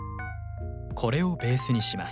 これをベースにします。